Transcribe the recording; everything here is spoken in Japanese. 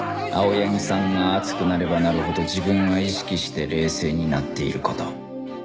青柳さんが熱くなればなるほど自分は意識して冷静になっている事